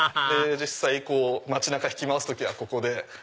実際街中引き回す時はここで。